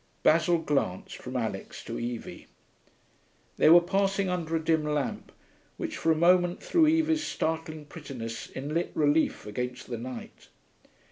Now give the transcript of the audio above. Basil glanced from Alix to Evie. They were passing under a dim lamp, which for a moment threw Evie's startling prettiness in lit relief against the night.